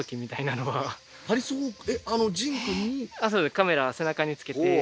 カメラ背中に付けて。